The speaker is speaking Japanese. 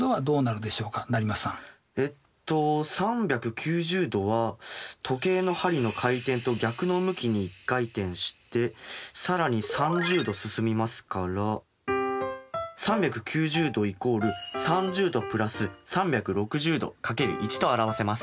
えっと３９０°は時計の針の回転と逆の向きに１回転して更に３０度進みますから３９０°＝３０°＋３６０°×１と表せます。